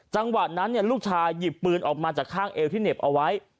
จังหวะนั้นลูกชายหยิบปืนออกมาจากข้างเอวที่เหน็บเอาไว้